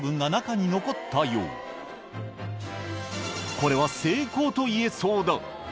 これは成功といえそうだ